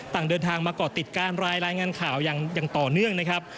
ต่างเดินทางมาก่อติดการรายงานข่าวอย่างต่อเนื่องนะครับ